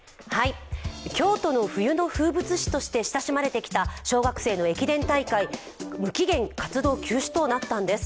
京都の冬の風物詩として親しまれてきた小学生の駅伝大会、無期限活動休止となったんです。